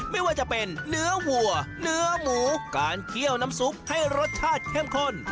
ไม่ว่าจะเป็นเนื้อวัวเนื้อหมูการเคี่ยวน้ำซุปให้รสชาติเข้มข้น